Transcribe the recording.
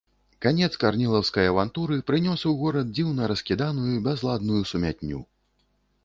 Канец карнілаўскай авантуры прынёс ў горад дзіўна раскіданую, бязладную сумятню.